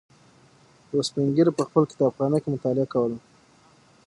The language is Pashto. یوه سپین ږیري په خپل کتابخانه کې مطالعه کوله.